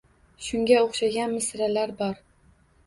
Shunga o‘xshagan misralari bor.